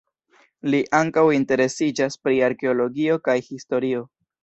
Li ankaŭ interesiĝas pri arkeologio kaj historio.